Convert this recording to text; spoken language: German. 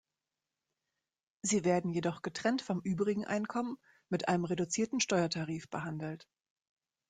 Sie werden jedoch getrennt vom übrigen Einkommen mit einem reduzierten Steuertarif behandelt.